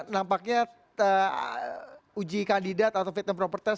nampaknya uji kandidat atau fit and properties